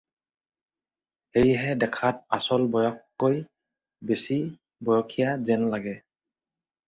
সেইহে দেখাত আচল বয়সতকৈ বেচি বয়সীয়া যেন লাগে?